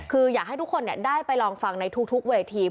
คืออยากให้ทุกคนได้ไปลองฟังในทุกเวที